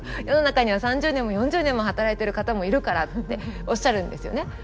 世の中には３０年も４０年も働いてる方もいるからっておっしゃるんですよね。